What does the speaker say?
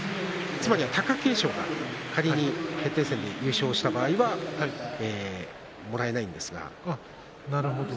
つまりは貴景勝が仮に決定戦で優勝した場合にはもらえないんですが。